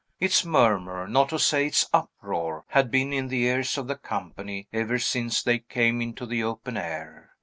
Its murmur not to say its uproar had been in the ears of the company, ever since they came into the open air.